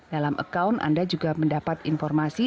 dalam account anda juga mendapat informasi